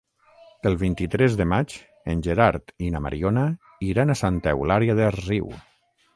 El vint-i-tres de maig en Gerard i na Mariona iran a Santa Eulària des Riu.